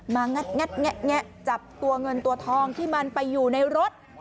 งัดแงะจับตัวเงินตัวทองที่มันไปอยู่ในรถ